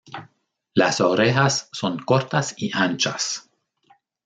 Las orejas son cortas y anchas.